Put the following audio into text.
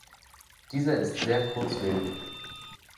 Dieser ist sehr kurzlebig.